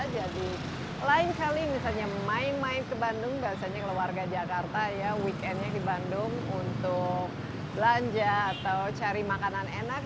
jadi lain kali misalnya main main ke bandung biasanya keluarga jakarta ya weekendnya di bandung untuk belanja atau cari makanan enak